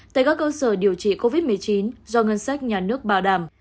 tại các cơ sở điều trị covid một mươi chín do ngân sách nhà nước bảo đảm